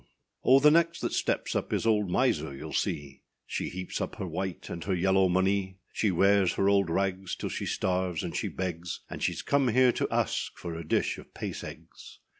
O! the next that steps up is old Miser, youâll see; She heaps up her white and her yellow money; She wears her old rags till she starves and she begs; And sheâs come here to ask for a dish of pace eggs.